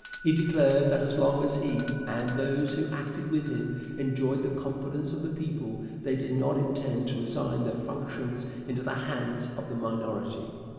He declared that as long as he, and those who acted with him, enjoyed the confidence of the people, they did not intend to resign their functions into the hands of the minority.